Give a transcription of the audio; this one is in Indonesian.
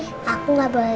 kayak ada yang dia pikirin